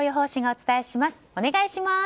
お願いします。